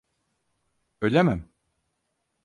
Ölemem.